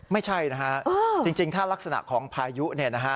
ไม่ใช่นะฮะจริงถ้ารักษณะของพายุเนี่ยนะฮะ